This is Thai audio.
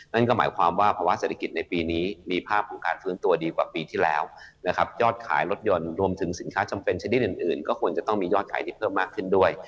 นั่นก็หมายความว่าภาวะเศรษฐกิจในปีนี้มีภาพของการฟื้นตัวดีกว่าปีที่แล้วนะครับยอดขายรถยนต์รวมถึงสินค้าจำเป็นชนิดอื่นก็ควรจะต้องมียอดขายที่เพิ่มมากขึ้นด้วย